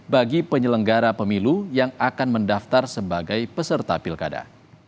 bagi penyelenggara pemilu yang akan mendaftar sebagai peserta pilkada